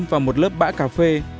và một lớp bã cà phê